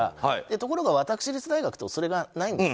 ところが私立大学はそれがないんです。